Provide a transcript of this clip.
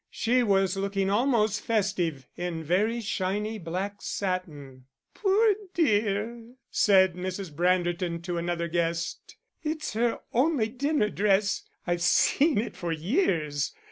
She was looking almost festive in very shiny black satin. "Poor dear," said Mrs. Branderton to another guest, "it's her only dinner dress; I've seen it for years.